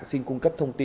xin cung cấp thông tin